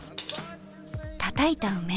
たたいた梅。